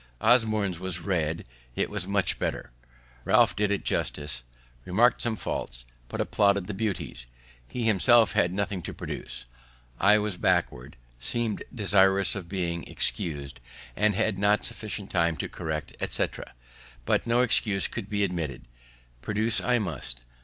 Osborne's was read; it was much better; Ralph did it justice; remarked some faults, but applauded the beauties. He himself had nothing to produce. I was backward; seemed desirous of being excused; had not had sufficient time to correct, etc.; but no excuse could be admitted; produce I must.